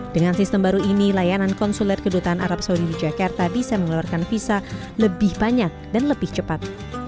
dengan sistem baru ini layanan konsuler kedutaan arab saudi di jakarta bisa mengeluarkan visa lebih banyak dan lebih cepat